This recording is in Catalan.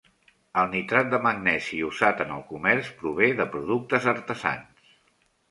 El nitrat de magnesi usat en el comerç prové de productes artesans.